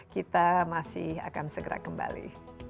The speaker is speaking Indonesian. kita masih akan segera kembali